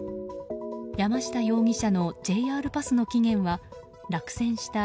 山下容疑者のＪＲパスの期限は落選した